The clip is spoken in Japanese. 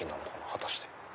果たして。